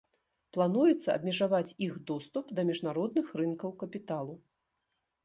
Плануецца абмежаваць іх доступ да міжнародных рынкаў капіталу.